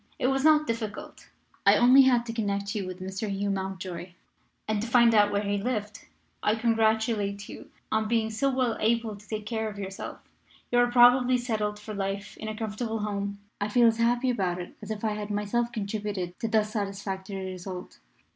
It was not difficult; I only had to connect you with Mr. Hugh Mountjoy and to find out where he lived. I congratulate you on being so well able to take care of yourself. You are probably settled for life in a comfortable home. I feel as happy about it as if I had myself contributed to thus satisfactory result.